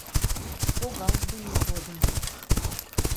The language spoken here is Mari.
Погалтдыме кодын.